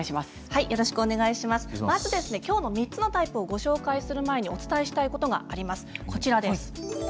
まず３つのタイプをご紹介する前にお伝えしたいことがあります。